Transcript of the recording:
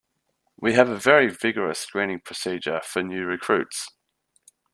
We have a very vigorous screening procedure for new recruits.